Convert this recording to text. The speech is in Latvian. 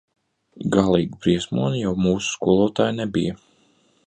Galīga briesmone jau mūsu skolotāja nebija.